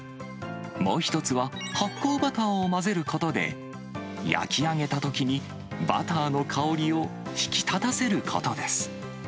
もう一つは発酵バターを混ぜることで、焼き上げたときにバターの香りを引き立たせることです。